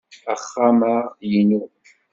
Axxam-a inu.